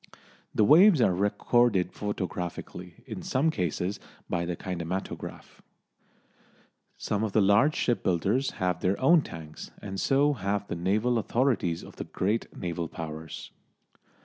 The waves are recorded photographically, in some cases by the kinematograph. Some of the large shipbuilders have their own tanks, and so have the naval authorities of the great naval Powers.